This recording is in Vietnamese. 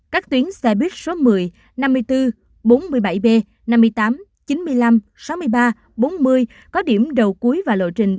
các tuyến xe buýt số một mươi năm mươi bốn bốn mươi bảy b năm mươi tám chín mươi năm sáu mươi ba bốn mươi có điểm đầu cuối và lộ trình